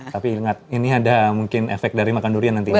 tapi ingat ini ada mungkin efek dari makan durian nanti ya